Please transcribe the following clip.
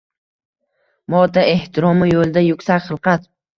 modda ehtiromi yo‘lida yuksak hilqat